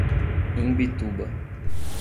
Imbituba